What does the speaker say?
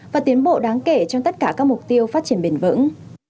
và tiến bộ đáng kể trong tất cả các mục tiêu phát triển bền vững